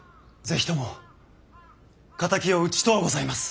是非とも敵を討ちとうございます。